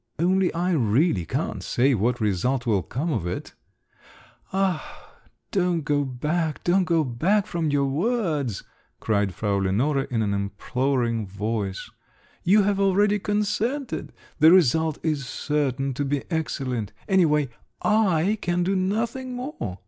"Only I really can't say what result will come of it …" "Ah, don't go back, don't go back from your words!" cried Frau Lenore in an imploring voice; "you have already consented! The result is certain to be excellent. Any way, I can do nothing more!